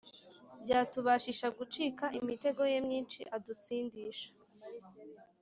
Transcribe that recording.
byatubashisha gucika imitego ye myinshi adutsindisha